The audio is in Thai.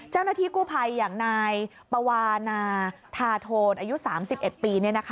เจ้าหน้าที่กู้ภัยอย่างนายปวานาธาโทนอายุ๓๑ปี